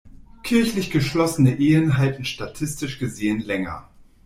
Kirchlich geschlossene Ehen halten statistisch gesehen länger.